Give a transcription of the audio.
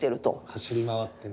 走り回ってね。